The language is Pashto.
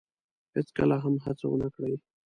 هیڅکله هم هڅه ونه کړی